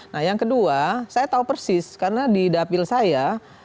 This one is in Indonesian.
nah yang kedua saya tahu persis karena di dapil saya